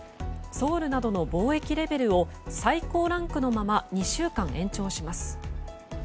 ソウルなどの防疫レベルを最高ランクのまま２週間延長します。